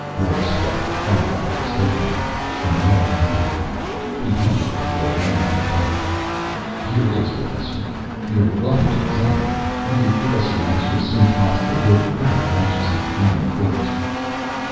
Gross brought the file out of his coat pocket, a manila envelope. He handed it to the old man on the bed. "Here it is, Professor. You're welcome to examine it. Will you give us your answer as soon as possible? We're very anxious to begin, of course."